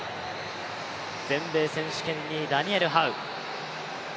全米選手権２位、ダニエル・ハウ。